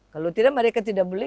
kalau tidak mereka tidak beli